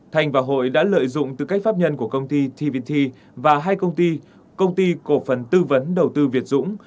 thành và hội đã lợi dụng tư cách pháp nhân của công ty tv và hai công ty công ty cổ phần tư vấn đầu tư việt dũng